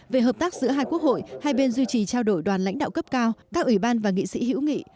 về hợp tác giữa hai quốc hội hai bên duy trì trao đổi đoàn lãnh đạo cấp cao các ủy ban và nghị sĩ hữu nghị